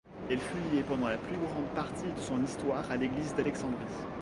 Elle fut liée pendant la plus grande partie de son histoire à l'Église d'Alexandrie.